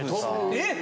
えっ！？